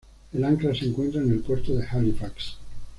El ancla se encuentra en el puerto de Halifax.